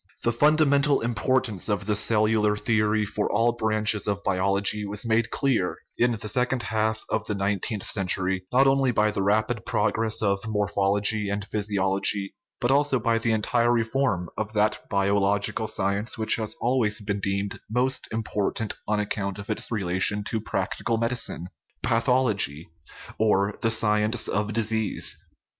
The fundamental importance of the cellular theory for all branches of biology was made clear in the second half of the nineteenth century, not only by the rapid progress of morphology and physiology, but also by the entire reform of that biological science which has always been deemed most important on account of its relation to practical medicine pathology, or the sci ence of disease.